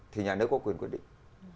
thì nhà nước có quyền quyết định